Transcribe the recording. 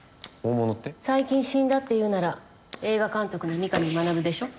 最近死んだっていうなら映画監督の三神学でしょ。